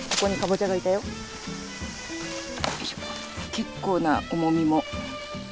結構な重みも。